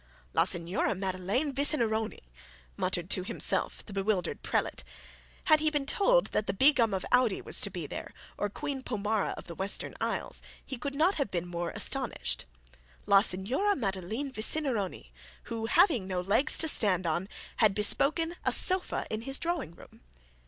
'La Signora Madeline Vicinironi!' muttered, to himself, the bewildered prelate. Had he been told that the Begum of Oude was to be there, or Queen Pomara of the Western Isles, he could not have been more astonished. La Signora Madeline Vicinironi, who, having no legs to stand on, had bespoken a sofa in his drawing room!